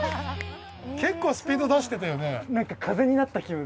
結構スピード出してたよね。